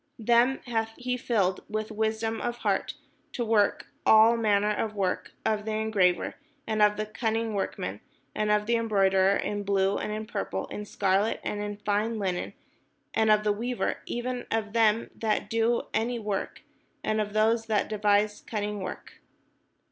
Them hath he filled with wisdom of heart, to work all manner of work, of the engraver, and of the cunning workman, and of the embroiderer, in blue, and in purple, in scarlet, and in fine linen, and of the weaver, even of them that do any work, and of those that devise cunning work."